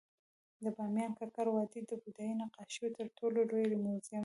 د بامیانو ککرک وادي د بودايي نقاشیو تر ټولو لوی موزیم دی